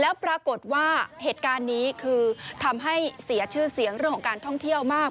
แล้วปรากฏว่าเหตุการณ์นี้คือทำให้เสียชื่อเสียงเรื่องของการท่องเที่ยวมาก